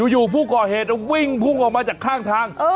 อยู่ผู้ก่อเหตุวิ่งพุ่งออกมาจากข้างทาง